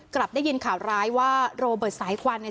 กลับได้ยินข่าวร้ายว่าโรเบิร์ตสายควันเนี่ย